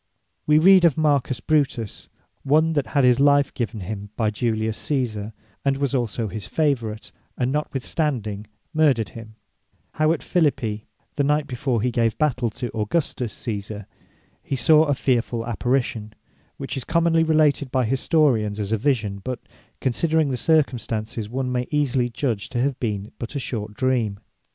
We read of Marcus Brutes, (one that had his life given him by Julius Caesar, and was also his favorite, and notwithstanding murthered him,) how at Phillipi, the night before he gave battell to Augustus Caesar, he saw a fearfull apparition, which is commonly related by Historians as a Vision: but considering the circumstances, one may easily judge to have been but a short Dream.